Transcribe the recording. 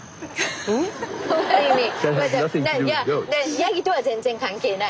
ヤギとは全然関係ない。